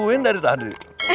nungguin dari tadi